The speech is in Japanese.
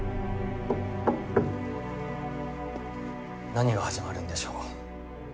何が始まるんでしょう。